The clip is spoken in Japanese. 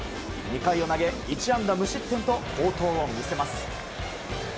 ２回を投げ、１安打無失点と好投を見せます。